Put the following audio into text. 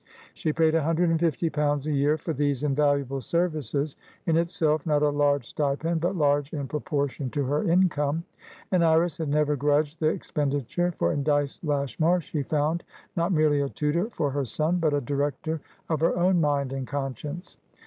She paid a hundred and fifty pounds a year for these invaluable servicesin itself not a large stipend, but large in proportion to her income. And Iris had never grudged the expenditure, for in Dyce Lashmar she found, not merely a tutor for her son, but a director of her own mind and conscience.